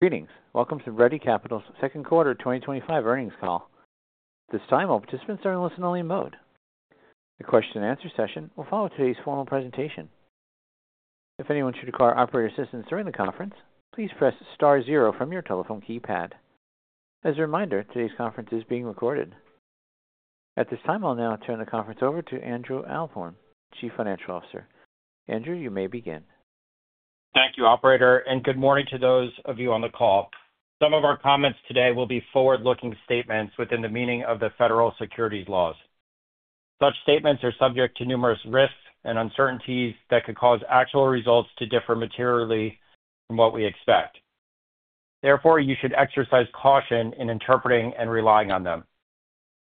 Greetings. Welcome to Ready Capital's Second Quarter 2025 Earnings Call. At this time, all participants are in listen-only mode. The question-and-answer session will follow today's formal presentation. If anyone should require operator assistance during the conference, please press star zero from your telephone keypad. As a reminder, today's conference is being recorded. At this time, I'll now turn the conference over to Andrew Ahlborn, Chief Financial Officer. Andrew, you may begin. Thank you, Operator, and good morning to those of you on the call. Some of our comments today will be forward-looking statements within the meaning of the federal securities laws. Such statements are subject to numerous risks and uncertainties that could cause actual results to differ materially from what we expect. Therefore, you should exercise caution in interpreting and relying on them.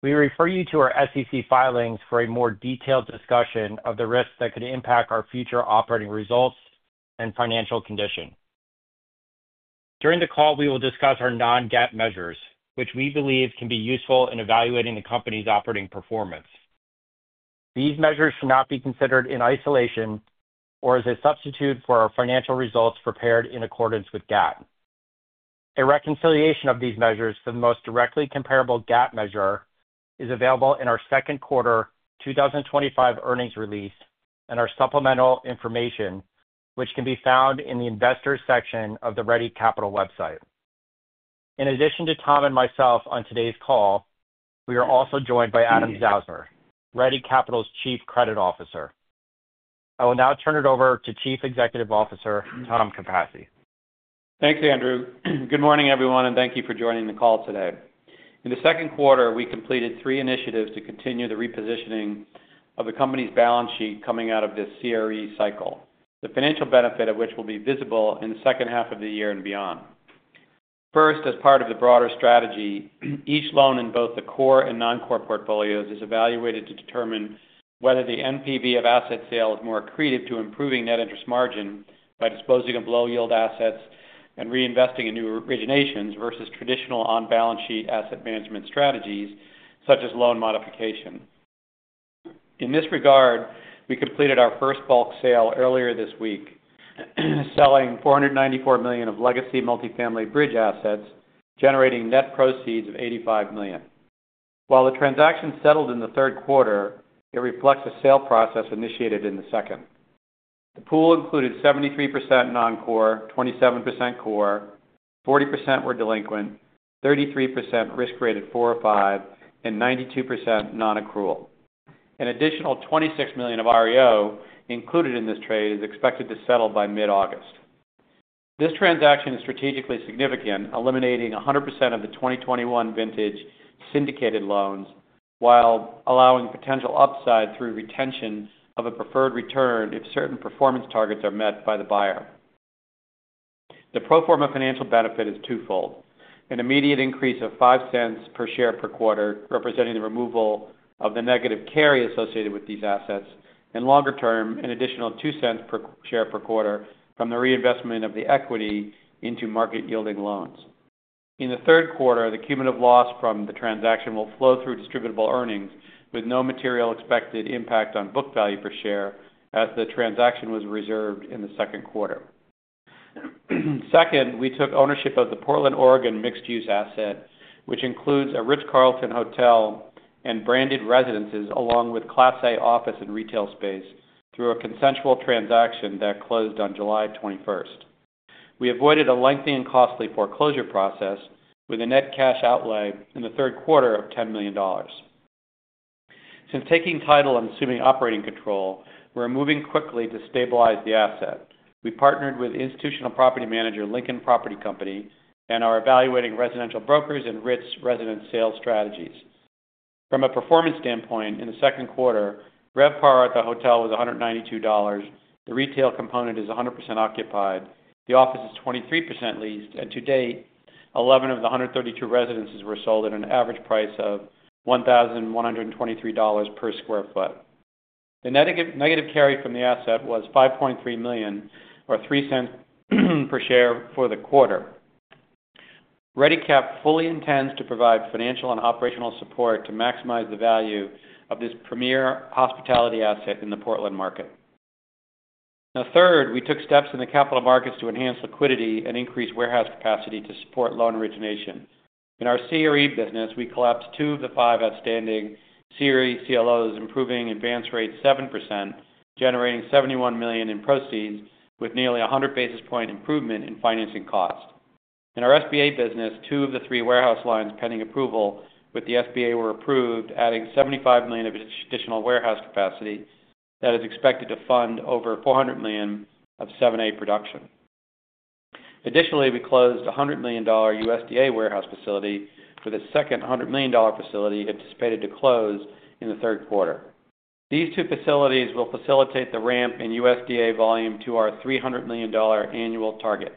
We refer you to our SEC filings for a more detailed discussion of the risks that could impact our future operating results and financial condition. During the call, we will discuss our non-GAAP measures, which we believe can be useful in evaluating the company's operating performance. These measures should not be considered in isolation or as a substitute for our financial results prepared in accordance with GAAP. A reconciliation of these measures for the most directly comparable GAAP measure is available in our second quarter 2025 earnings release and our supplemental information, which can be found in the investors section of the Ready Capital website. In addition to Tom and myself on today's call, we are also joined by Adam Zausmer, Ready Capital's Chief Credit Officer. I will now turn it over to Chief Executive Officer Tom Capasse. Thanks, Andrew. Good morning, everyone, and thank you for joining the call today. In the second quarter, we completed three initiatives to continue the repositioning of the company's balance sheet coming out of this CRE cycle, the financial benefit of which will be visible in the second half of the year and beyond. First, as part of the broader strategy, each loan in both the core and non-core portfolios is evaluated to determine whether the NPV of asset sale is more accretive to improving net interest margin by disposing of low-yield assets and reinvesting in new originations versus traditional on-balance sheet asset management strategies such as loan modification. In this regard, we completed our first bulk sale earlier this week, selling $494 million of legacy multifamily bridge assets, generating net proceeds of $85 million. While the transaction settled in the third quarter, it reflects a sale process initiated in the second. The pool included 73% non-core, 27% core, 40% were delinquent, 33% risk-rated 4 or 5, and 92% non-accrual. An additional $26 million of REO included in this trade is expected to settle by mid-August. This transaction is strategically significant, eliminating 100% of the 2021 vintage syndicated loans while allowing potential upside through retention of a preferred return if certain performance targets are met by the buyer. The pro forma financial benefit is twofold: an immediate increase of $0.05 per share per quarter, representing the removal of the negative carry associated with these assets, and longer term, an additional $0.02 per share per quarter from the reinvestment of the equity into market-yielding loans. In the third quarter, the cumulative loss from the transaction will flow through distributable earnings with no material expected impact on book value per share as the transaction was reserved in the second quarter. Second, we took ownership of the Portland, Oregon mixed-use asset, which includes a Ritz-Carlton hotel and branded residences along with Class A office and retail space through a consensual transaction that closed on July 21. We avoided a lengthy and costly foreclosure process with a net cash outlay in the third quarter of $10 million. Since taking title and assuming operating control, we're moving quickly to stabilize the asset. We partnered with institutional property manager, Lincoln Property Company, and are evaluating residential brokers and Ritz resident sale strategies. From a performance standpoint, in the second quarter, RevPAR at the hotel was $192. The retail component is 100% occupied. The office is 23% leased, and to date, 11 of the 132 residences were sold at an average price of $1,123 per square foot. The negative carry from the asset was $5.3 million or $0.03 per share for the quarter. Ready Capital fully intends to provide financial and operational support to maximize the value of this premier hospitality asset in the Portland market. Now, third, we took steps in the capital markets to enhance liquidity and increase warehouse capacity to support loan origination. In our CRE business, we collapsed 2 of the 5 outstanding CRE CLOs, improving advance rate 7%, generating $71 million in proceeds with nearly a 100 basis point improvement in financing costs. In our SBA business, two of the three warehouse lines pending approval with the SBA were approved, adding $75 million of additional warehouse capacity that is expected to fund over $400 million of 7A production. Additionally, we closed a $100 million USDA warehouse facility for the second $100 million facility anticipated to close in the third quarter. These two facilities will facilitate the ramp in USDA volume to our $300 million annual target.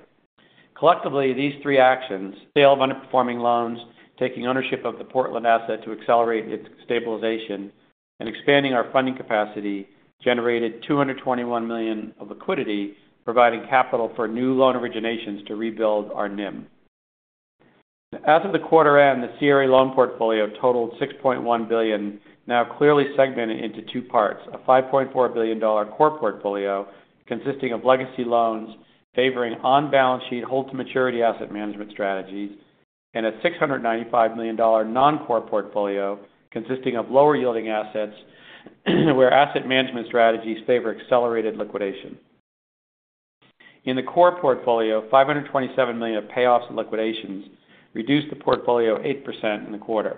Collectively, these three actions: sale of underperforming loans, taking ownership of the Portland asset to accelerate its stabilization, and expanding our funding capacity generated $221 million of liquidity, providing capital for new loan originations to rebuild our NIM. As of the quarter end, the CRE loan portfolio totaled $6.1 billion, now clearly segmented into two parts: a $5.4 billion core portfolio consisting of legacy loans favoring on-balance sheet holds maturity asset management strategies, and a $695 million non-core portfolio consisting of lower yielding assets where asset management strategies favor accelerated liquidation. In the core portfolio, $527 million of payoffs and liquidations reduced the portfolio 8% in the quarter.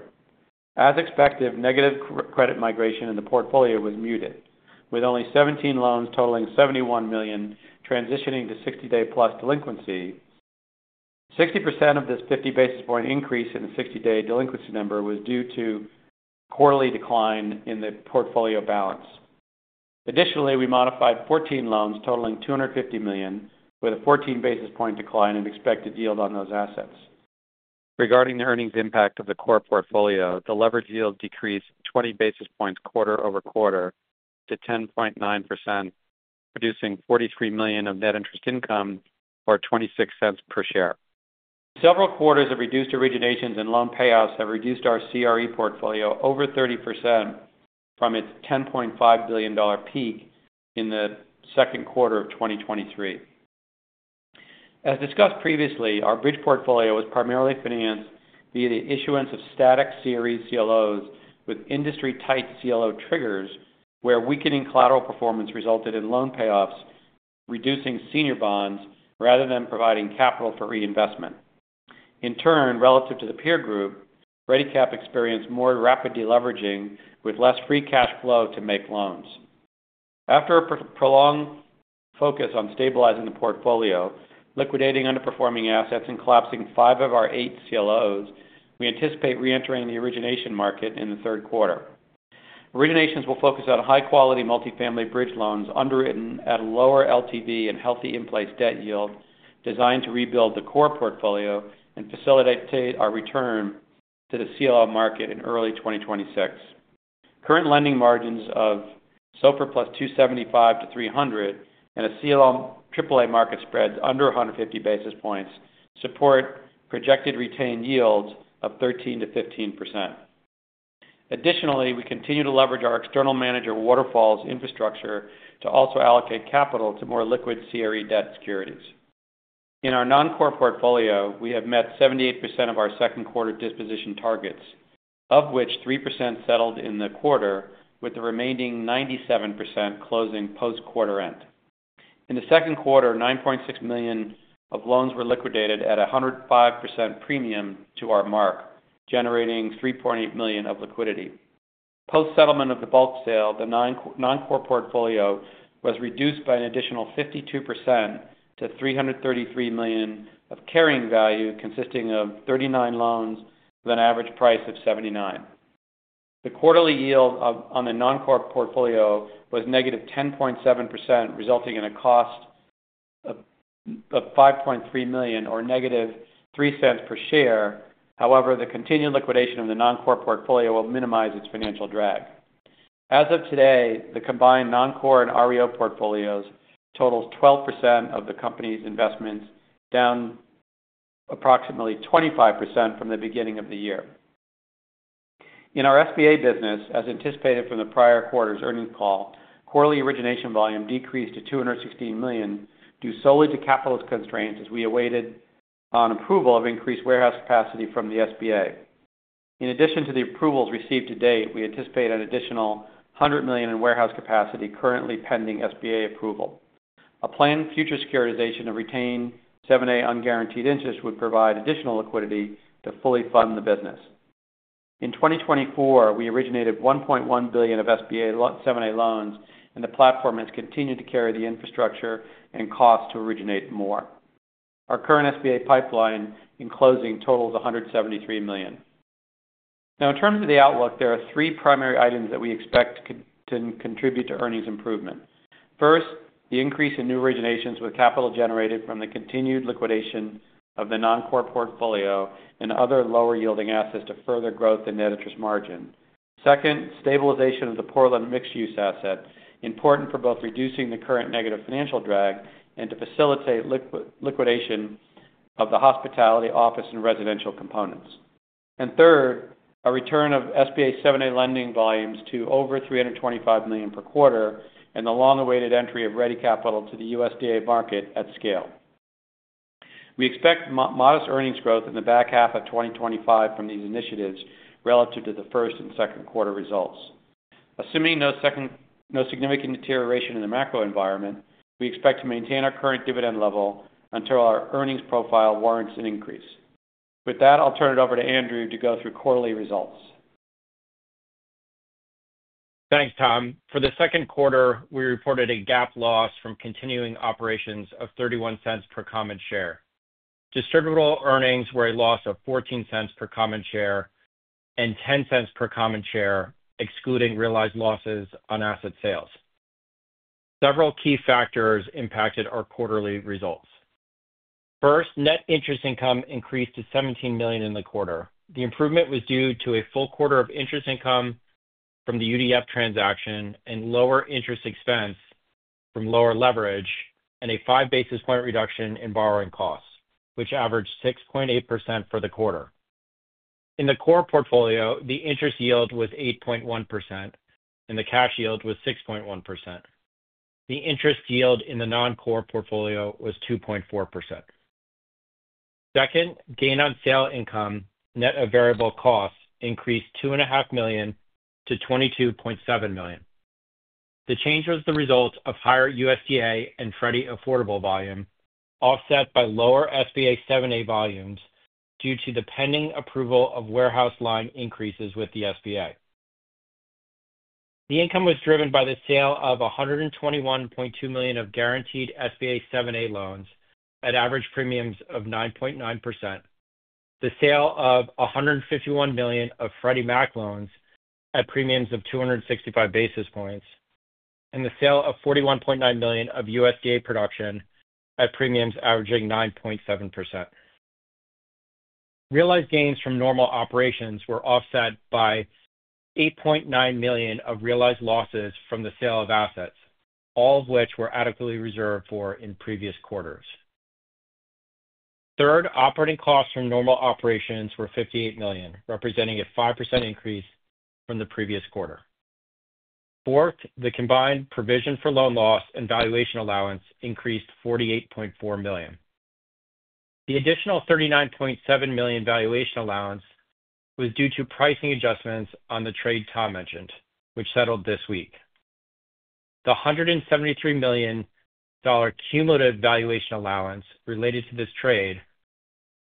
As expected, negative credit migration in the portfolio was muted, with only 17 loans totaling $71 million transitioning to 60-day plus delinquency. 60% of this 50 basis point increase in the 60-day delinquency number was due to quarterly decline in the portfolio balance. Additionally, we modified 14 loans totaling $250 million with a 14 basis point decline in expected yield on those assets. Regarding the earnings impact of the core portfolio, the leverage yield decreased 20 basis points quarter over quarter to 10.9%, producing $43 million of net interest income or $0.26 per share. Several quarters of reduced originations and loan payoffs have reduced our CRE portfolio over 30% from its $10.5 billion peak in the second quarter of 2023. As discussed previously, our bridge portfolio was primarily financed via the issuance of static CRE CLOs with industry-tight CLO triggers, where weakening collateral performance resulted in loan payoffs reducing senior bonds rather than providing capital for reinvestment. In turn, relative to the peer group, Ready Capital experienced more rapid deleveraging with less free cash flow to make loans. After a prolonged focus on stabilizing the portfolio, liquidating underperforming assets, and collapsing five of our eight CLOs, we anticipate reentering the origination market in the third quarter. Originations will focus on high-quality multifamily bridge loans underwritten at a lower LTV and healthy in-place debt yield, designed to rebuild the core portfolio and facilitate our return to the CLO market in early 2026. Current lending margins of SOFR plus 275-300 and a CLO triple-A market spread under 150 basis points support projected retained yields of 13%-15%. Additionally, we continue to leverage our external manager, Waterfall's infrastructure, to also allocate capital to more liquid CRE debt securities. In our non-core portfolio, we have met 78% of our second quarter disposition targets, of which 3% settled in the quarter, with the remaining 97% closing post-quarter end. In the second quarter, $9.6 million of loans were liquidated at a 105% premium to our mark, generating $3.8 million of liquidity. Post-settlement of the bulk sale, the non-core portfolio was reduced by an additional 52% to $333 million of carrying value, consisting of 39 loans with an average price of $79. The quarterly yield on the non-core portfolio was -10.7%, resulting in a cost of $5.3 million or -$0.03 per share. However, the continued liquidation of the non-core portfolio will minimize its financial drag. As of today, the combined non-core and REO portfolios total 12% of the company's investments, down approximately 25% from the beginning of the year. In our SBA business, as anticipated from the prior quarter's earnings call, quarterly origination volume decreased to $216 million due solely to capital constraints, as we awaited an approval of increased warehouse capacity from the SBA. In addition to the approvals received to date, we anticipate an additional $100 million in warehouse capacity currently pending SBA approval. A planned future securitization of retained 7(a) unguaranteed interest would provide additional liquidity to fully fund the business. In 2024, we originated $1.1 billion of SBA 7(a) loans, and the platform has continued to carry the infrastructure and costs to originate more. Our current SBA pipeline in closing totals $173 million. Now, in terms of the outlook, there are three primary items that we expect to contribute to earnings improvement. First, the increase in new originations with capital generated from the continued liquidation of the non-core portfolio and other lower yielding assets to further growth in net interest margin. Second, stabilization of the Portland mixed-use asset, important for both reducing the current negative financial drag and to facilitate liquidation of the hospitality office and residential components. Third, a return of SBA 7(a) lending volumes to over $325 million per quarter and the long-awaited entry of Ready Capital to the USDA market at scale. We expect modest earnings growth in the back half of 2025 from these initiatives relative to the first and second quarter results. Assuming no significant deterioration in the macro environment, we expect to maintain our current dividend level until our earnings profile warrants an increase. With that, I'll turn it over to Andrew to go through quarterly results. Thanks, Tom. For the second quarter, we reported a GAAP loss from continuing operations of $0.31 per common share. Distributable earnings were a loss of $0.14 per common share and $0.10 per common share, excluding realized losses on asset sales. Several key factors impacted our quarterly results. First, net interest income increased to $17 million in the quarter. The improvement was due to a full quarter of interest income from the UDF transaction and lower interest expense from lower leverage and a five basis point reduction in borrowing costs, which averaged 6.8% for the quarter. In the core portfolio, the interest yield was 8.1% and the cash yield was 6.1%. The interest yield in the non-core portfolio was 2.4%. Second, gain on sale income net of variable costs increased $2.5 million to $22.7 million. The change was the result of higher USDA and Freddie affordable volume offset by lower SBA 7(a) volumes due to the pending approval of warehouse line increases with the SBA. The income was driven by the sale of $121.2 million of guaranteed SBA 7(a) loans at average premiums of 9.9%, the sale of $151 million of Freddie Mac loans at premiums of 265 basis points, and the sale of $41.9 million of USDA production at premiums averaging 9.7%. Realized gains from normal operations were offset by $8.9 million of realized losses from the sale of assets, all of which were adequately reserved for in previous quarters. Third, operating costs from normal operations were $58 million, representing a 5% increase from the previous quarter. Fourth, the combined provision for loan loss and valuation allowance increased $48.4 million. The additional $39.7 million valuation allowance was due to pricing adjustments on the trade Tom mentioned, which settled this week. The $173 million cumulative valuation allowance related to this trade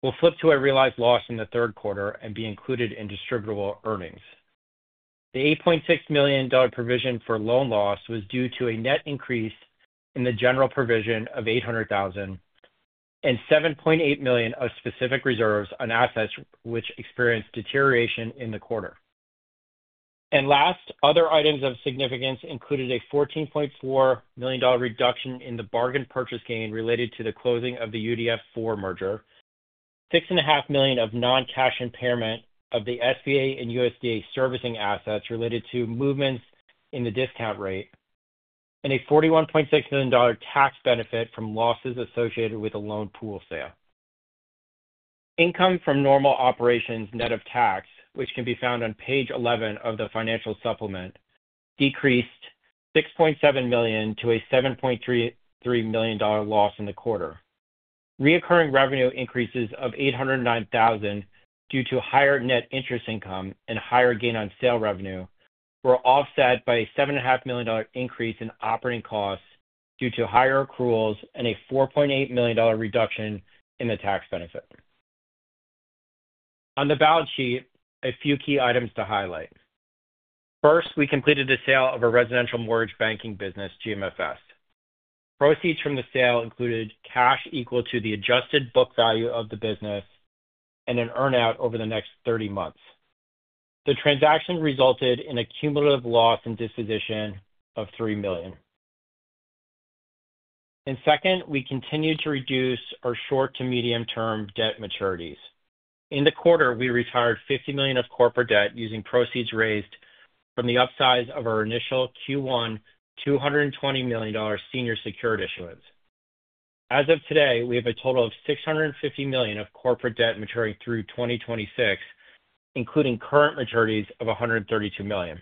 will flip to a realized loss in the third quarter and be included in distributable earnings. The $8.6 million provision for loan loss was due to a net increase in the general provision of $800,000 and $7.8 million of specific reserves on assets which experienced deterioration in the quarter. Last, other items of significance included a $14.4 million reduction in the bargain purchase gain related to the closing of the UDF IV merger, $6.5 million of non-cash impairment of the SBA and USDA servicing assets related to movements in the discount rate, and a $41.6 million tax benefit from losses associated with a loan pool sale. Income from normal operations net of tax, which can be found on page 11 of the financial supplement, decreased $6.7 million to a $7.33 million loss in the quarter. Recurring revenue increases of $809,000 due to higher net interest income and higher gain on sale revenue were offset by a $7.5 million increase in operating costs due to higher accruals and a $4.8 million reduction in the tax benefit. On the balance sheet, a few key items to highlight. First, we completed the sale of a residential mortgage banking business, GMFS. Proceeds from the sale included cash equal to the adjusted book value of the business and an earnout over the next 30 months. The transaction resulted in a cumulative loss and disposition of $3 million. Second, we continued to reduce our short to medium-term debt maturities. In the quarter, we retired $50 million of corporate debt using proceeds raised from the upsize of our initial Q1 $220 million senior secured issuance. As of today, we have a total of $650 million of corporate debt maturing through 2026, including current maturities of $132 million.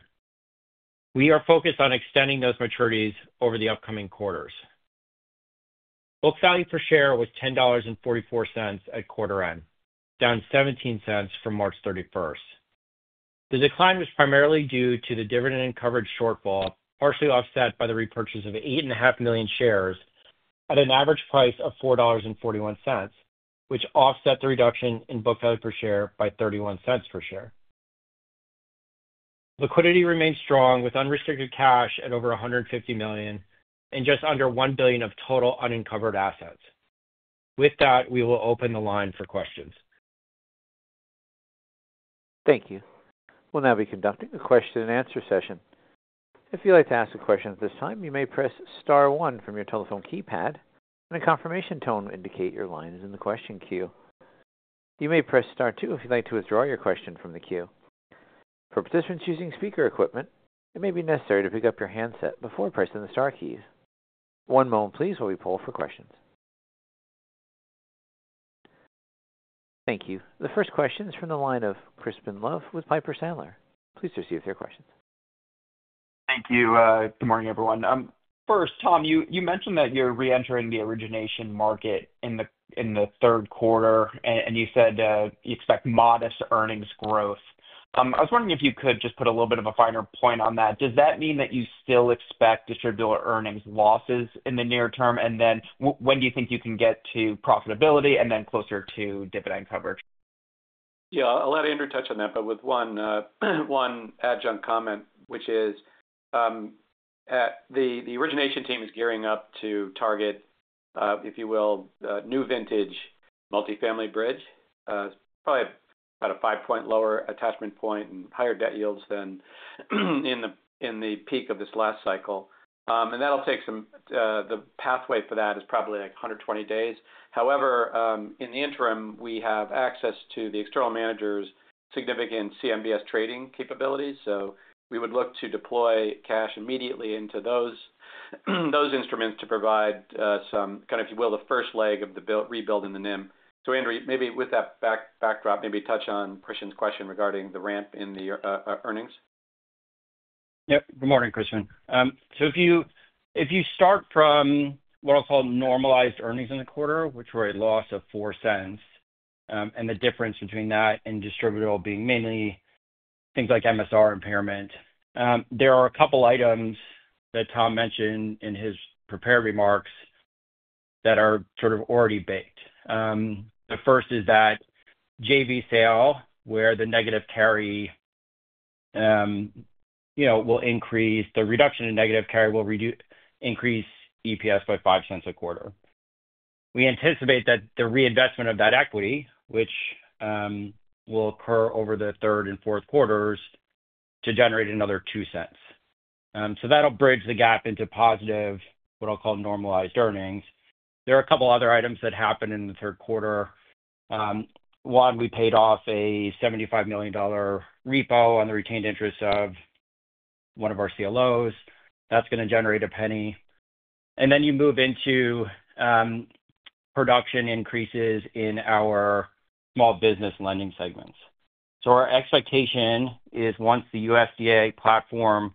We are focused on extending those maturities over the upcoming quarters. Book value per share was $10.44 at quarter end, down $0.17 from March 31st. The decline was primarily due to the dividend and coverage shortfall, partially offset by the repurchase of 8.5 million shares at an average price of $4.41, which offset the reduction in book value per share by $0.31 per share. Liquidity remains strong with unrestricted cash at over $150 million and just under $1 billion of total unencumbered assets. With that, we will open the line for questions. Thank you. We'll now be conducting a question-and-answer session. If you'd like to ask a question at this time, you may press star one from your telephone keypad, and a confirmation tone will indicate your line is in the question queue. You may press star two if you'd like to withdraw your question from the queue. For participants using speaker equipment, it may be necessary to pick up your handset before pressing the star keys. One moment, please, while we pull for questions. Thank you. The first question is from the line of Crispin Love with Piper Sandler. Please proceed with your questions. Thank you. Good morning, everyone. First, Tom, you mentioned that you're reentering the origination market in the third quarter, and you said you expect modest earnings growth. I was wondering if you could just put a little bit of a finer point on that. Does that mean that you still expect distributable earnings losses in the near term, and then when do you think you can get to profitability and then closer to dividend coverage? Yeah, I'll let Andrew touch on that, but with one adjunct comment, which is the origination team is gearing up to target, if you will, the new vintage multifamily bridge. It's probably about a 5% lower attachment point and higher debt yields than in the peak of this last cycle. That'll take some, the pathway for that is probably like 120 days. However, in the interim, we have access to the external manager's significant CMBS trading capabilities. We would look to deploy cash immediately into those instruments to provide some, kind of, if you will, the first leg of the rebuild in the NIM. Andrew, maybe with that backdrop, maybe touch on Christian's question regarding the ramp in the earnings. Yep. Good morning, Christian. If you start from what I'll call normalized earnings in the quarter, which were a loss of $0.04, and the difference between that and distributable being mainly things like MSR impairment, there are a couple of items that Tom mentioned in his prepared remarks that are already baked. The first is that JV sale, where the negative carry will increase, the reduction in negative carry will increase EPS by $0.05 a quarter. We anticipate that the reinvestment of that equity, which will occur over the third and fourth quarters, to generate another $0.02. That will bridge the gap into positive, what I'll call normalized earnings. There are a couple of other items that happened in the third quarter. One, we paid off a $75 million repo on the retained interest of one of our CLOs. That's going to generate a penny. You move into production increases in our small business lending segments. Our expectation is once the USDA platform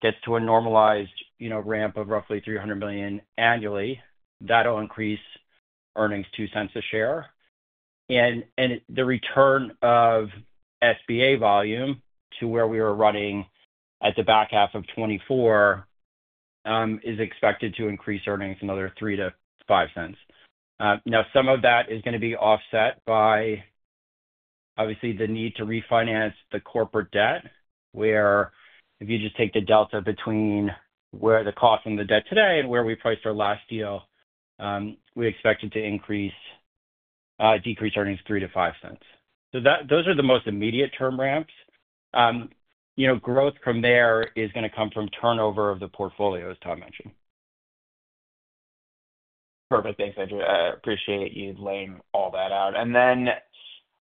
gets to a normalized ramp of roughly $300 million annually, that'll increase earnings $0.02 a share. The return of SBA volume to where we were running at the back half of 2024 is expected to increase earnings another $0.03 to $0.05. Some of that is going to be offset by, obviously, the need to refinance the corporate debt, where if you just take the delta between where the cost and the debt today and where we priced our last deal, we expect it to decrease earnings $0.03 to $0.05. Those are the most immediate term ramps. Growth from there is going to come from turnover of the portfolios Tom mentioned. Perfect. Thanks, Andrew. I appreciate you laying all that out.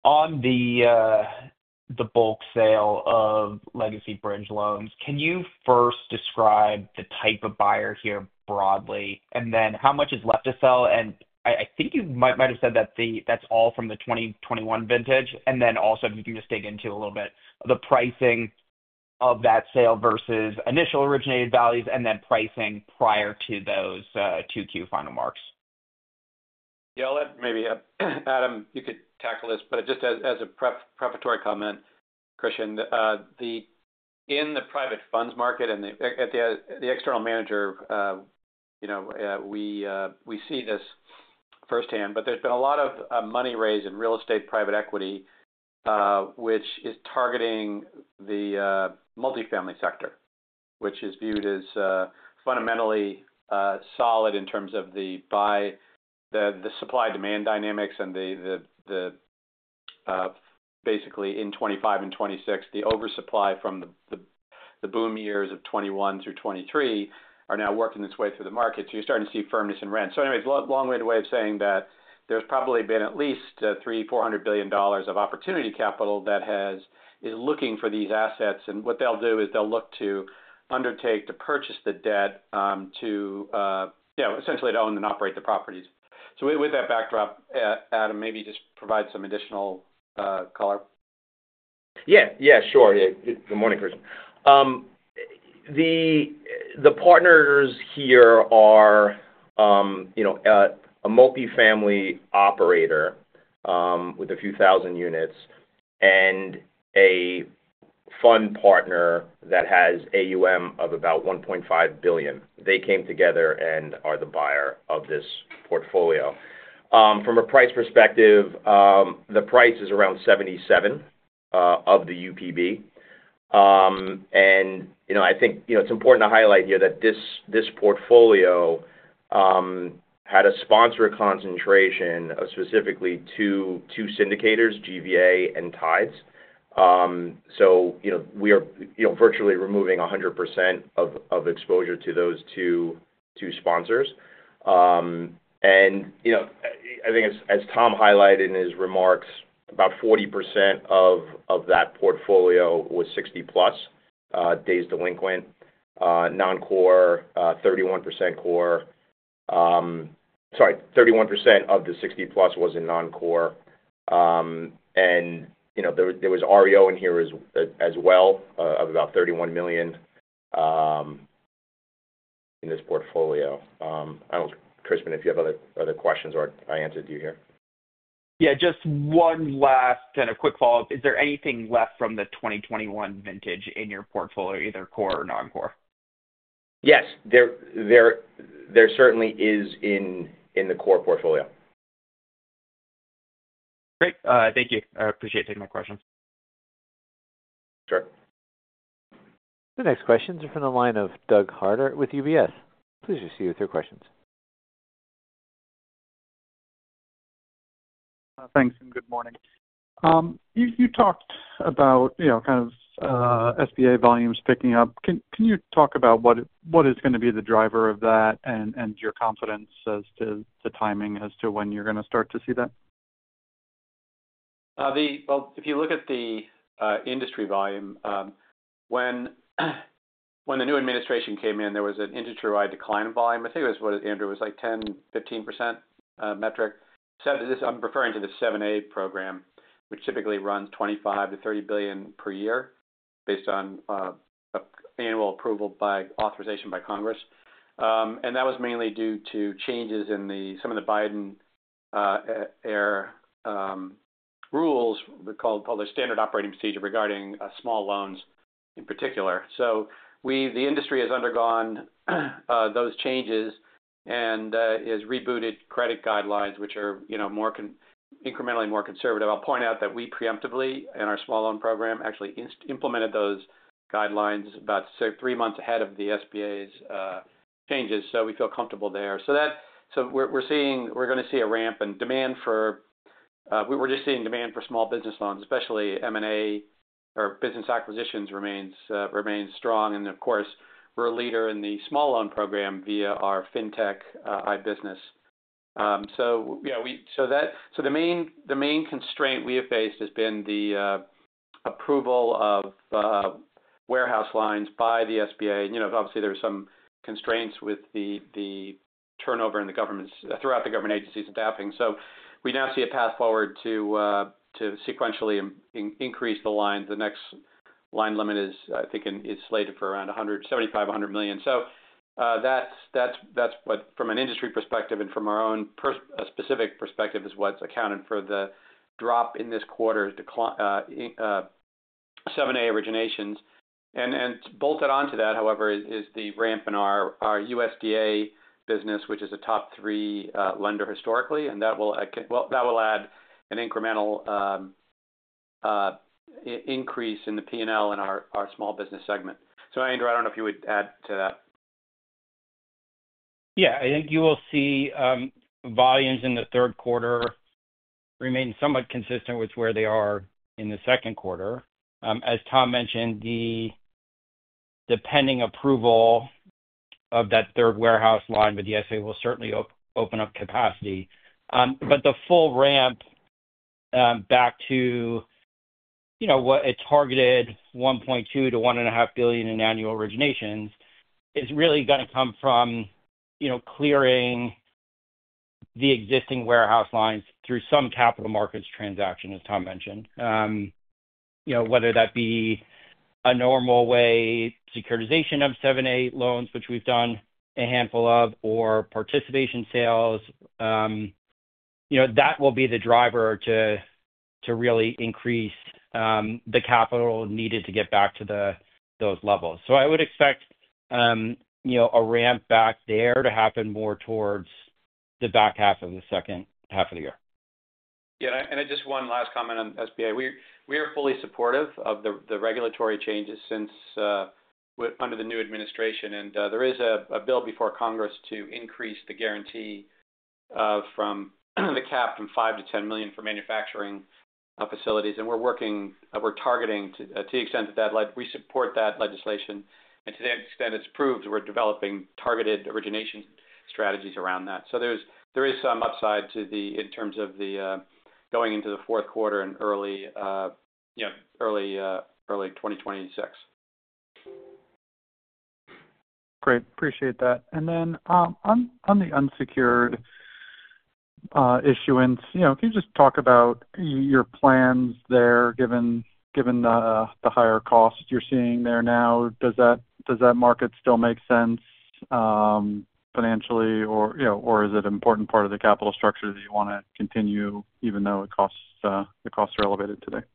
On the bulk sale of legacy bridge loans, can you first describe the type of buyer here broadly and then how much is left to sell? I think you might have said that that's all from the 2021 vintage. Also, if you can just dig into a little bit of the pricing of that sale versus initial originated values and then pricing prior to those two-queue final marks. Yeah, I'll let maybe Adam, you could tackle this, but just as a preparatory comment, Christian, in the private funds market and the external manager, you know, we see this firsthand, but there's been a lot of money raised in real estate private equity, which is targeting the multifamily sector, which is viewed as fundamentally solid in terms of the supply-demand dynamics and basically in 2025 and 2026, the oversupply from the boom years of 2021 through 2023 are now working its way through the market. You're starting to see firmness in rent. It's a long-winded way of saying that there's probably been at least $300 billion-400 billion of opportunity capital that is looking for these assets. What they'll do is they'll look to undertake to purchase the debt to, you know, essentially to own and operate the properties. With that backdrop, Adam, maybe just provide some additional color. Yeah, sure. Good morning, Christian. The partners here are a multifamily operator with a few thousand units and a fund partner that has AUM of about $1.5 billion. They came together and are the buyer of this portfolio. From a price perspective, the price is around $77 of the UPB. I think it's important to highlight here that this portfolio had a sponsor concentration of specifically two syndicators, GVA and Tides. We are virtually removing 100% of exposure to those two sponsors. I think as Tom highlighted in his remarks, about 40% of that portfolio was 60+ days delinquent. Non-core, 31% core, sorry, 31% of the 60+ was in non-core. There was REO in here as well of about $31 million in this portfolio. I don't know, Chris, if you have other questions or I answered you here. Yeah, just one last kind of quick follow-up. Is there anything left from the 2021 vintage in your portfolio, either core or non-core? Yes, there certainly is in the core portfolio. Great. Thank you. I appreciate taking my question. Sure. The next questions are from the line of Doug Harter with UBS. Please proceed with your questions. Thanks, and good morning. You talked about, you know, kind of SBA volumes picking up. Can you talk about what is going to be the driver of that and your confidence as to the timing as to when you're going to start to see that? If you look at the industry volume, when the new administration came in, there was an industry-wide decline in volume. I think it was, Andrew, like 10%, 15% metric. I'm referring to the SBA 7(a) program, which typically runs $25 billion-$30 billion per year based on annual approval by authorization by Congress. That was mainly due to changes in some of the Biden-era rules, called the Standard Operating Procedure regarding small loans in particular. The industry has undergone those changes and has rebooted credit guidelines, which are incrementally more conservative. I'll point out that we preemptively in our small loan program actually implemented those guidelines about three months ahead of the SBA's changes. We feel comfortable there. We're going to see a ramp in demand for, we're just seeing demand for small business loans, especially M&A or business acquisitions remains strong. Of course, we're a leader in the small loan program via our fintech-eyed business. The main constraint we have faced has been the approval of warehouse lines by the SBA. There were some constraints with the turnover in the government throughout the government agencies adapting. We now see a path forward to sequentially increase the lines. The next line limit is slated for around $7.5 billion. From an industry perspective and from our own specific perspective, that is what's accounted for the drop in this quarter's SBA 7(a) originations. Bolted onto that, however, is the ramp in our USDA business, which is a top three lender historically. That will add an incremental increase in the P&L in our small business segment. Andrew, I don't know if you would add to that. Yeah, I think you will see volumes in the third quarter remain somewhat consistent with where they are in the second quarter. As Tom mentioned, the pending approval of that third warehouse line with the SBA will certainly open up capacity. The full ramp back to, you know, what it targeted, $1.2 billion-$1.5 billion in annual originations, is really going to come from, you know, clearing the existing warehouse lines through some capital markets transaction, as Tom mentioned. Whether that be a normal way securitization of 7(a) loans, which we've done a handful of, or participation sales, that will be the driver to really increase the capital needed to get back to those levels. I would expect, you know, a ramp back there to happen more towards the back half of the second half of the year. Yeah, just one last comment on SBA. We are fully supportive of the regulatory changes since under the new administration. There is a bill before Congress to increase the guarantee cap from $5 million-$10 million for manufacturing facilities. We're targeting to the extent that we support that legislation. To that extent, if it's approved, we're developing targeted origination strategies around that. There is some upside in terms of going into the fourth quarter and early 2026. Great. Appreciate that. On the unsecured issuance, can you just talk about your plans there, given the higher costs you're seeing there now? Does that market still make sense financially, or is it an important part of the capital structure that you want to continue even though the costs are elevated today?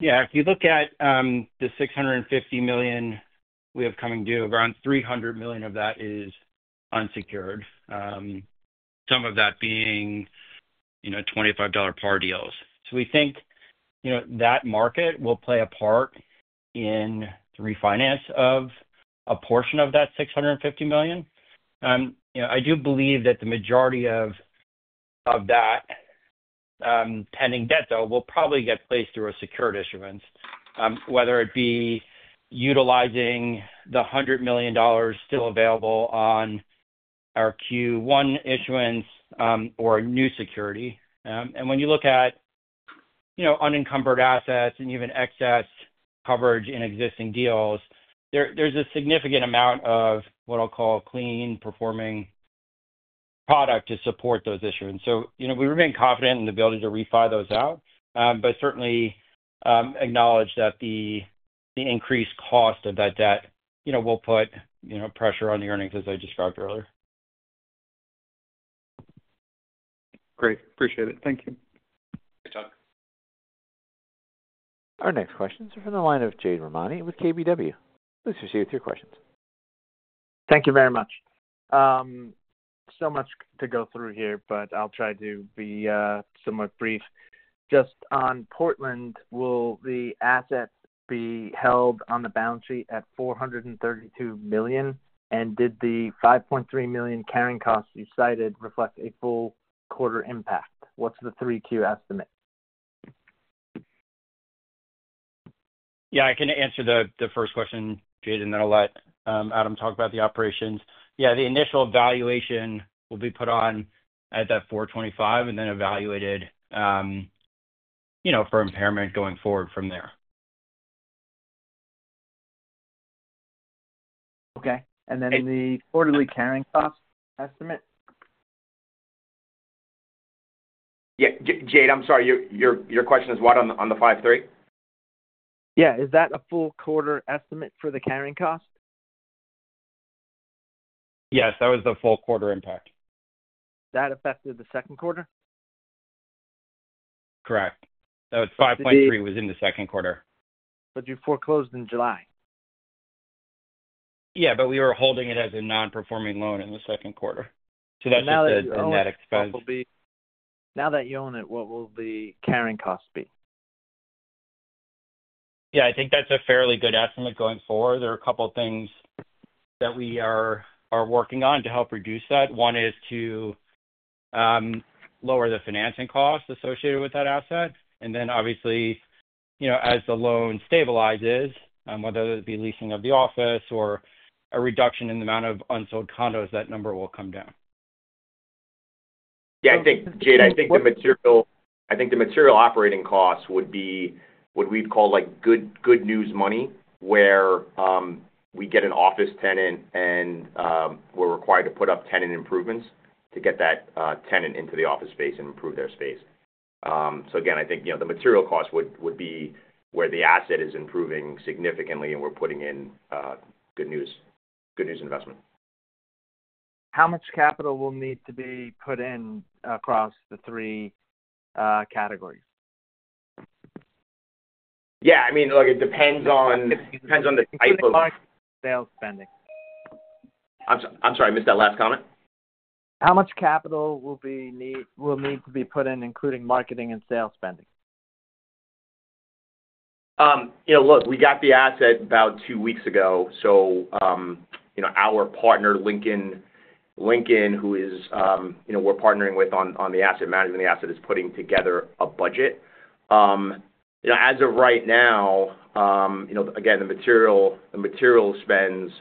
If you look at the $650 million we have coming due, around $300 million of that is unsecured, some of that being $25 par deals. We think that market will play a part in the refinance of a portion of that $650 million. I do believe that the majority of that pending debt, though, will probably get placed through a secured issuance, whether it be utilizing the $100 million still available on our Q1 issuance or a new security. When you look at unencumbered assets and even excess coverage in existing deals, there's a significant amount of what I'll call clean performing product to support those issues. We remain confident in the ability to refile those out, but certainly acknowledge that the increased cost of that debt will put pressure on the earnings, as I described earlier. Great. Appreciate it. Thank you. Thanks, Tom. Our next questions are from the line of Jade Rahmani with KBW. Please proceed with your questions. Thank you very much. There is so much to go through here, but I'll try to be somewhat brief. Just on Portland, will the asset be held on the balance sheet at $432 million, and did the $5.3 million carrying costs you cited reflect a full quarter impact? What's the three-queue estimate? Yeah. I can answer the first question, Jade, and then I'll let Adam talk about the operations. Yeah, the initial valuation will be put on at that $425 million and then evaluated, you know, for impairment going forward from there. Okay. The quarterly carrying cost estimate? Yeah. Jade, I'm sorry, your question is what on the $530 million? Yeah. Is that a full quarter estimate for the carrying cost? Yes, that was the full quarter impact. That affected the second quarter? Correct. That was $5.3 million in the second quarter. You foreclosed in July? Yeah, we were holding it as a non-performing loan in the second quarter. That's the net expense. Now that you own it, what will the carrying cost be? Yeah, I think that's a fairly good estimate going forward. There are a couple of things that we are working on to help reduce that. One is to lower the financing costs associated with that asset. Obviously, as the loan stabilizes, whether it be leasing of the office or a reduction in the amount of unsold condos, that number will come down. Yeah, I think, Jade, the material operating costs would be what we've called like good news money, where we get an office tenant and we're required to put up tenant improvements to get that tenant into the office space and improve their space. I think the material costs would be where the asset is improving significantly and we're putting in good news, good news investment. How much capital will need to be put in across the three categories? I mean, look, it depends on the type of... How much sales spending? I'm sorry, I missed that last comment. How much capital will need to be put in, including marketing and sales spending? We got the asset about two weeks ago. Our partner, Lincoln, who is partnering with us on the asset management, is putting together a budget. As of right now, the material spends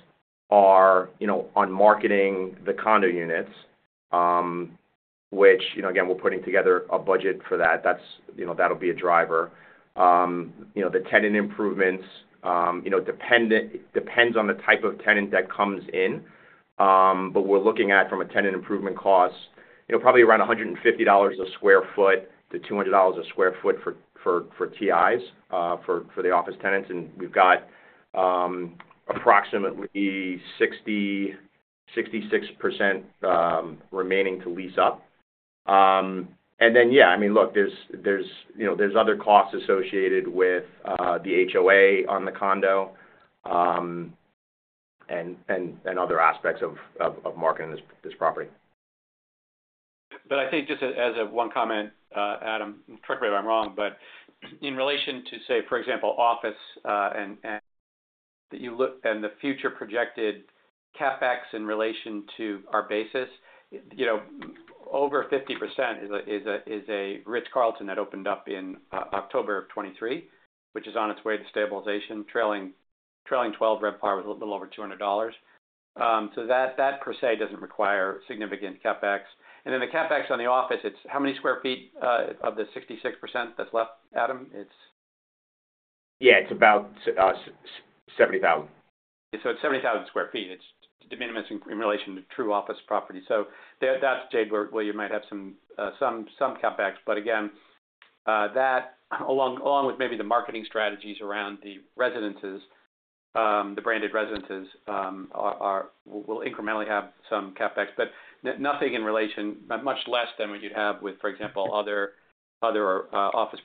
are on marketing the condo units, which we're putting together a budget for. That will be a driver. The tenant improvements, it depends on the type of tenant that comes in. We're looking at, from a tenant improvement cost, probably around $150 a square foot to $200 a square foot for TIs for the office tenants. We've got approximately 66% remaining to lease up. There are other costs associated with the HOA on the condo and other aspects of marketing this property. I think just as one comment, Adam, correct me if I'm wrong, but in relation to, say, for example, office and that you look at the future projected CapEx in relation to our basis, over 50% is a Ritz-Carlton that opened up in October of 2023, which is on its way to stabilization, trailing 12 red par with a little over $200. That per se doesn't require significant CapEx. The CapEx on the office, it's how many square feet of the 66% that's left, Adam? Yeah, it's about $70,000. It is 70,000 sq ft. It is de minimis in relation to true office property. That is, Jade, where you might have some CapEx. Again, that along with maybe the marketing strategies around the residences, the branded residences will incrementally have some CapEx, but nothing in relation, much less than what you would have with, for example, other property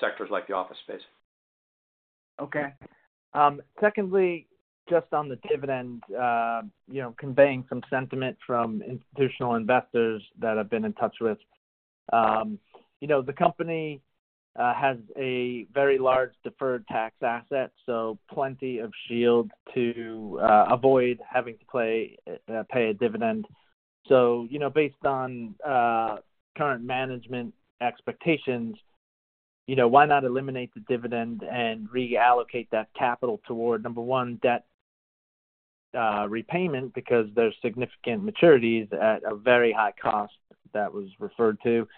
sectors like the office space. Okay. Secondly, just on the dividend, conveying some sentiment from institutional investors that I've been in touch with. The company has a very large deferred tax asset, so plenty of shield to avoid having to pay a dividend. Based on current management expectations, why not eliminate the dividend and reallocate that capital toward, number one, debt repayment because there's significant maturities at a very high cost that was referred to.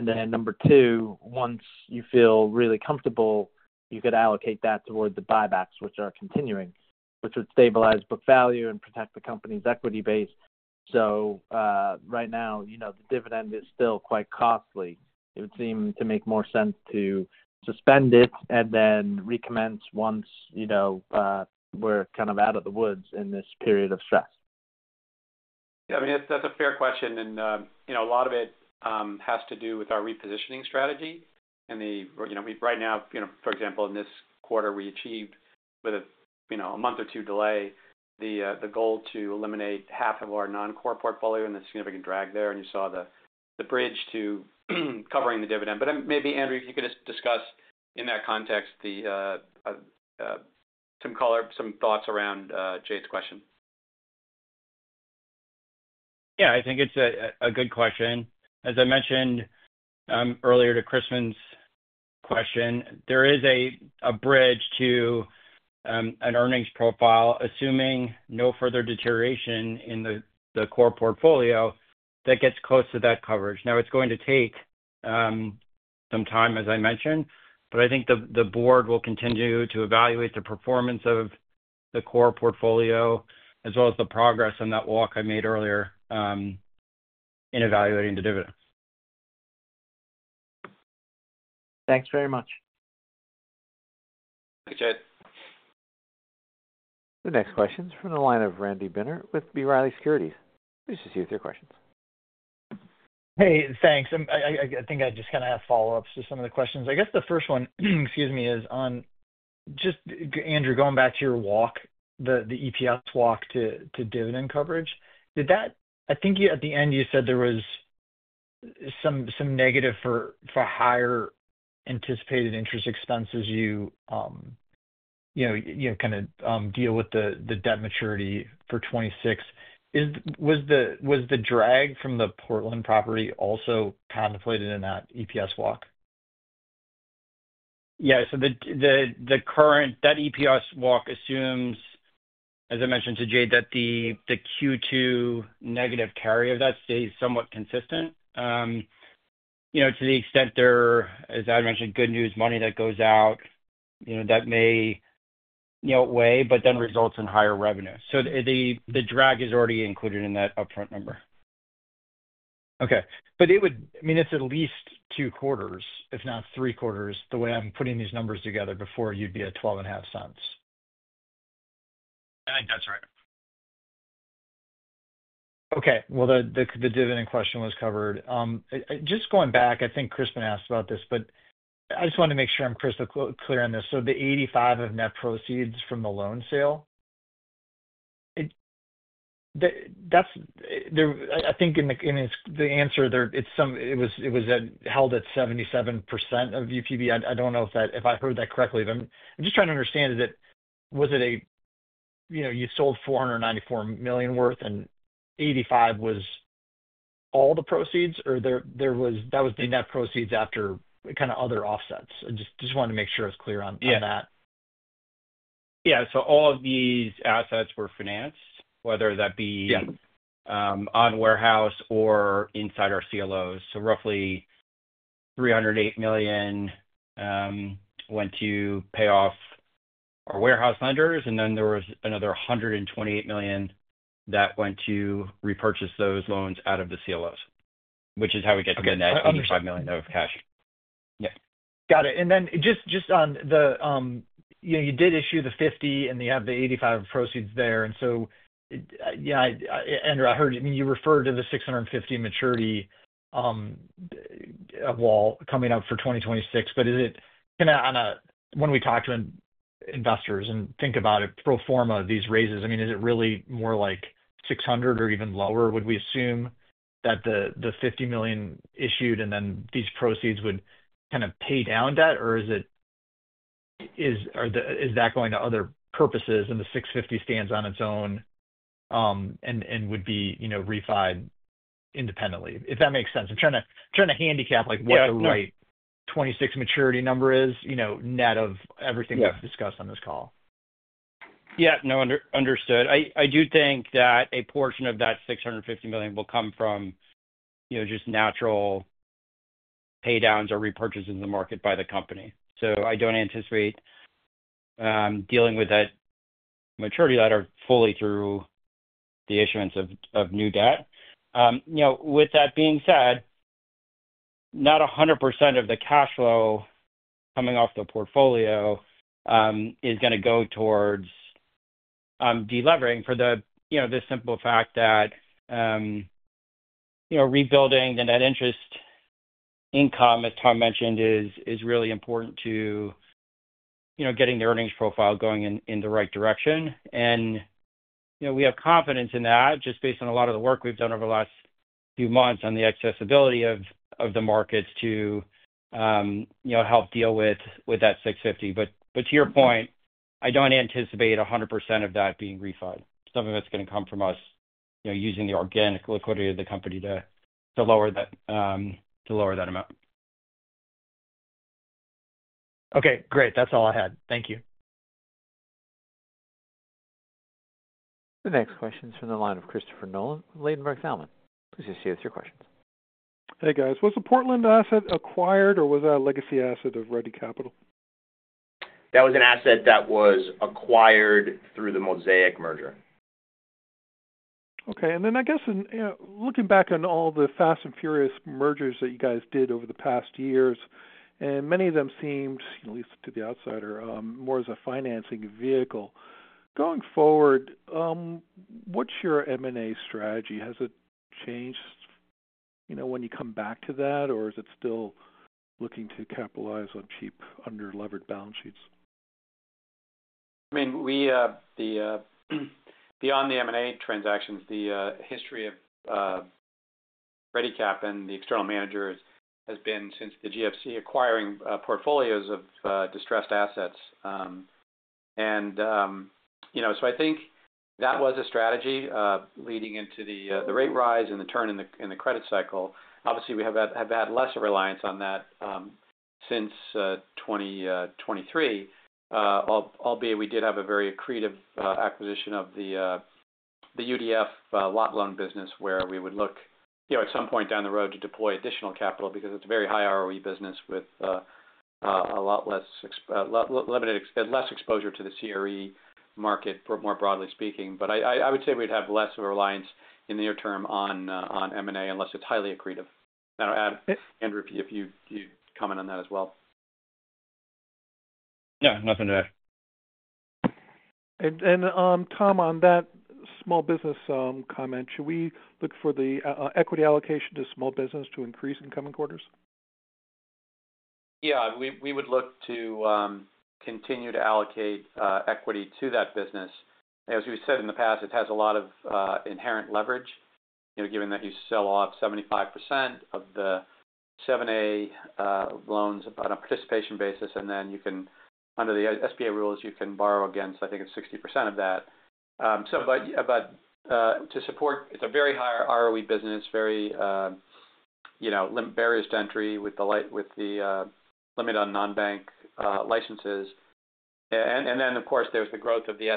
Number two, once you feel really comfortable, you could allocate that toward the buybacks, which are continuing, which would stabilize book value and protect the company's equity base. Right now, the dividend is still quite costly. It would seem to make more sense to suspend it and then recommence once we're kind of out of the woods in this period of stress. Yeah, that's a fair question. A lot of it has to do with our repositioning strategy. Right now, for example, in this quarter, we achieved, with a month or two delay, the goal to eliminate half of our non-core portfolio and the significant drag there. You saw the bridge to covering the dividend. Maybe, Andrew, if you could just discuss in that context some thoughts around Jade's question. Yeah, I think it's a good question. As I mentioned earlier to Christian's question, there is a bridge to an earnings profile, assuming no further deterioration in the core portfolio that gets close to that coverage. It's going to take some time, as I mentioned, but I think the board will continue to evaluate the performance of the core portfolio as well as the progress on that walk I made earlier in evaluating the dividend. Thanks very much. Thanks, Jade. The next question is from the line of Randy Binner with B. Riley Securities. Please proceed with your questions. Hey, thanks. I think I just kind of have follow-ups to some of the questions. I guess the first one, excuse me, is on just Andrew, going back to your walk, the EPS walk to dividend coverage. Did that, I think at the end you said there was some negative for higher anticipated interest expenses, you know, kind of deal with the debt maturity for 2026. Was the drag from the Portland property also contemplated in that EPS walk? Yeah, so the current debt EPS walk assumes, as I mentioned to Jade, that the Q2 negative carry of that stays somewhat consistent. To the extent there, as I mentioned, good news money that goes out, that may weigh, but then results in higher revenue. The drag is already included in that upfront number. It would, I mean, it's at least two quarters, if not three quarters, the way I'm putting these numbers together before you'd be at $0.12. I think that's right. Okay. The dividend question was covered. Just going back, I think Crispin asked about this, but I just wanted to make sure I'm crystal clear on this. The $85 million of net proceeds from the loan sale, I think in the answer, it was held at 77% of UPB. I don't know if I heard that correctly, but I'm just trying to understand, was it a, you know, you sold $494 million worth and $85 million was all the proceeds, or that was the net proceeds after kind of other offsets? I just wanted to make sure I was clear on that. Yeah, all of these assets were financed, whether that be on warehouse or inside our CLOs. Roughly $308 million went to pay off our warehouse lenders, and then there was another $128 million that went to repurchase those loans out of the CLOs, which is how we get to the net $85 million of cash. Got it. Just on the, you did issue the $50 million and you have the $85 million proceeds there. Andrew, I heard you referred to the $650 million maturity wall coming up for 2026, but is it kind of on a, when we talk to investors and think about it pro forma of these raises, is it really more like $600 million or even lower? Would we assume that the $50 million issued and then these proceeds would kind of pay down debt, or is it, is that going to other purposes and the $650 million stands on its own and would be refined independently, if that makes sense? I'm trying to handicap what the right 2026 maturity number is, net of everything we've discussed on this call. Yeah, no, understood. I do think that a portion of that $650 million will come from, you know, just natural paydowns or repurchases in the market by the company. I don't anticipate dealing with that maturity ladder fully through the issuance of new debt. With that being said, not 100% of the cash flow coming off the portfolio is going to go towards delevering for the simple fact that rebuilding the net interest income, as Tom mentioned, is really important to getting the earnings profile going in the right direction. We have confidence in that just based on a lot of the work we've done over the last few months on the accessibility of the markets to help deal with that $650 million. To your point, I don't anticipate 100% of that being refined, something that's going to come from us using the organic liquidity of the company to lower that amount. Okay, great. That's all I had. Thank you. The next question is from the line of Christopher Nolan of Ladenburg Thalmann. Please just stay with your questions. Hey guys, was the Portland asset acquired or was that a legacy asset of Ready Capital? That was an asset that was acquired through the Mosaic merger. Okay, I guess looking back on all the Fast and Furious mergers that you guys did over the past years, and many of them seemed, you know, at least to the outsider, more as a financing vehicle. Going forward, what's your M&A strategy? Has it changed, you know, when you come back to that, or is it still looking to capitalize on cheap under-levered balance sheets? I mean, we, beyond the M&A transactions, the history of Ready Capital and the external managers has been since the GFC acquiring portfolios of distressed assets. I think that was a strategy leading into the rate rise and the turn in the credit cycle. Obviously, we have had less reliance on that since 2023, albeit we did have a very accretive acquisition of the UDF lot loan business where we would look, at some point down the road, to deploy additional capital because it's a very high ROE business with a lot less exposure to the CRE market, more broadly speaking. I would say we'd have less of a reliance in the near term on M&A unless it's highly accretive. I don't know, Adam, Andrew, if you'd comment on that as well. Yeah, nothing to add. Tom, on that small business comment, should we look for the equity allocation to small business to increase in coming quarters? Yeah, we would look to continue to allocate equity to that business. As we've said in the past, it has a lot of inherent leverage, given that you sell off 75% of the SBA 7(a) loans on a participation basis, and then you can, under the SBA rules, borrow against, I think it's 60% of that. To support, it's a very high ROE business, very, you know, barriers to entry with the limit on non-bank licenses. Of course, there's the growth of the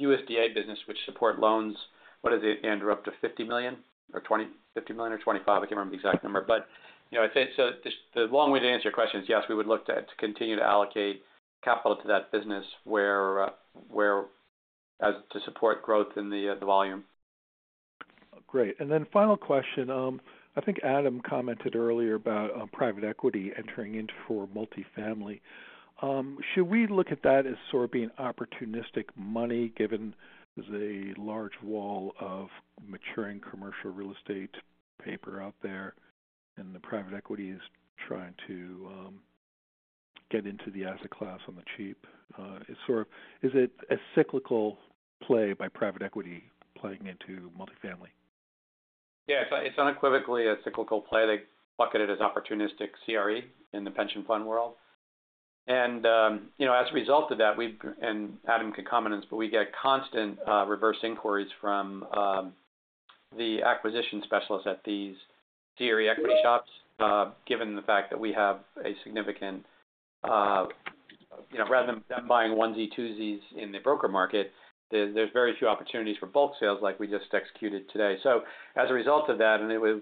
USDA business, which support loans. What is it, Andrew, up to $50 million or $25 million? I can't remember the exact number. The long way to answer your question is, yes, we would look to continue to allocate capital to that business to support growth in the volume. Great. Final question. I think Adam commented earlier about private equity entering in for multifamily. Should we look at that as sort of being opportunistic money given the large wall of maturing commercial real estate paper out there and that private equity is trying to get into the asset class on the cheap? Is it a cyclical play by private equity playing into multifamily? Yeah, it's unequivocally a cyclical play to bucket it as opportunistic CRE in the pension fund world. As a result of that, we've, and Adam could comment on this, but we get constant reverse inquiries from the acquisition specialists at these DRE equity shops, given the fact that we have a significant, you know, rather than them buying onesies, twosies, in the broker market, there's very few opportunities for bulk sales like we just executed today. As a result of that, and it was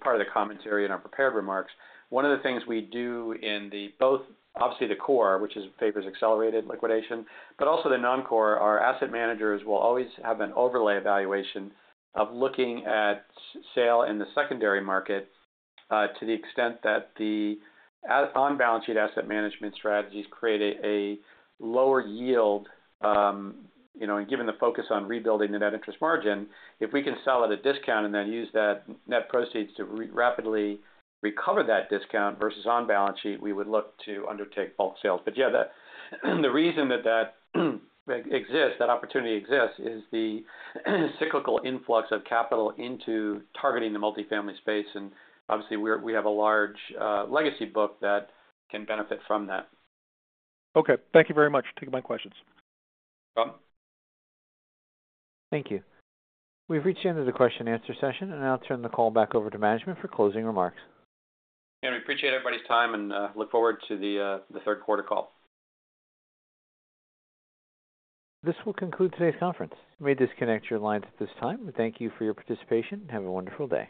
part of the commentary in our prepared remarks, one of the things we do in both, obviously, the core, which is papers accelerated liquidation, but also the non-core, our asset managers will always have an overlay evaluation of looking at sale in the secondary market to the extent that the on-balance sheet asset management strategies create a lower yield. Given the focus on rebuilding the net interest margin, if we can sell at a discount and then use that net proceeds to rapidly recover that discount versus on-balance sheet, we would look to undertake bulk sales. The reason that that opportunity exists is the cyclical influx of capital into targeting the multifamily space. Obviously, we have a large legacy book that can benefit from that. Okay. Thank you very much. Take my questions. Thank you. We've reached the end of the question-and-answer session, and I'll turn the call back over to management for closing remarks. We appreciate everybody's time and look forward to the third quarter call. This will conclude today's conference. We'll disconnect your lines at this time. We thank you for your participation. Have a wonderful day.